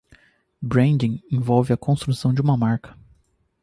Branding envolve a construção de uma marca.